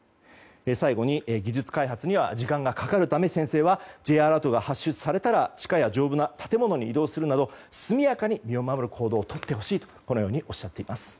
最後に技術開発には時間がかかるため先生はＪアラートが発出されたら地下や丈夫な建物に移動するなど速やかに身を守る行動をとってほしいとおっしゃっています。